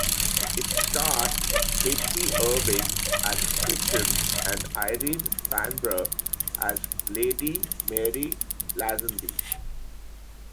It starred H. B. Irving as Crichton and Irene Vanbrugh as Lady Mary Lasenby.